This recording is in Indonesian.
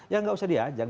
ya tidak usah diajak